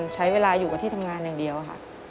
ใช้เวลาอยู่กับที่ทำงานอย่างเดียวค่ะ